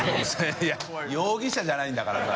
いや容疑者じゃないんだからさ。